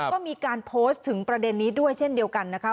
ก็มีการโพสต์ถึงประเด็นนี้ด้วยเช่นเดียวกันนะคะ